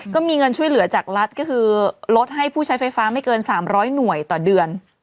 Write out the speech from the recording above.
ก็มีเงินช่วยเหลือจากรัฐก็คือลดให้ผู้ใช้ไฟฟ้าไม่เกิน๓๐๐หน่วยต่อเดือน